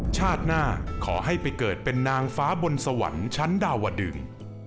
ชาติหน้าขอให้ไปเกิดเป็นนางฟ้าบนสวรรค์ชั้นดาวดึง